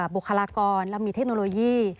บุคลากรและมีเทคโนโลยี